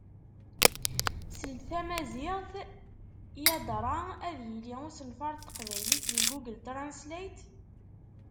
Seld Tamaziɣt, yadra ad yili usenfar n Teqbaylit di Google Translate?